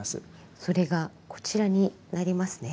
それがこちらになりますね。